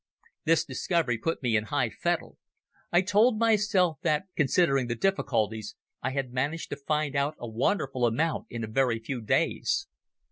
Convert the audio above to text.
This discovery put me in high fettle. I told myself that, considering the difficulties, I had managed to find out a wonderful amount in a very few days.